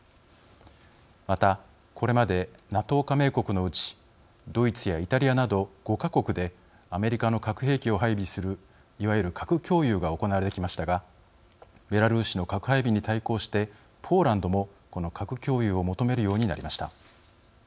また、これまでＮＡＴＯ加盟国のうちドイツやイタリアなど５か国でアメリカの核兵器を配備するいわゆる核共有が行われてきましたがベラルーシの核配備に対抗してポーランドもこの核共有を求めるようになりました。